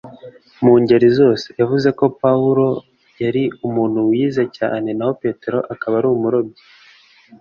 mu ngeri zose. yavuze ko paulo yari umuntu wize cyane naho petero akaba yari umurobyi